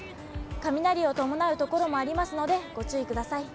雷を伴う所もありますので、ご注意ください。